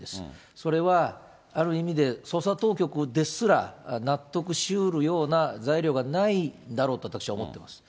それはある意味で、捜査当局ですら納得しうるような材料がないんだろうと私は思ってます。